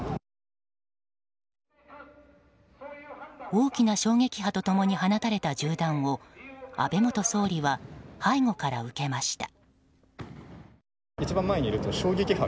大きな衝撃波と共に放たれた銃弾を安倍元総理は背後から受けました。